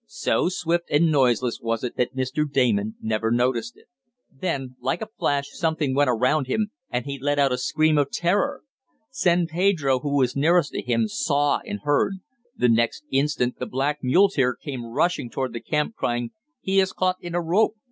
So swift and noiseless was it that Mr. Damon never noticed it. Then, like a flash something went around him, and he let out a scream of terror. San Pedro, who was nearest to him, saw and heard. The next instant the black muleteer came rushing toward the camp, crying: "He is caught in a rope!